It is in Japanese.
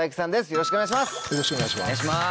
よろしくお願いします。